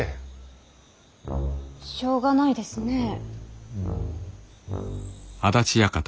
しょうがないですねえ。